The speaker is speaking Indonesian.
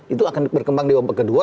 itu akan berkembang di ombak kedua